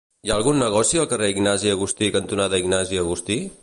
Hi ha algun negoci al carrer Ignasi Agustí cantonada Ignasi Agustí?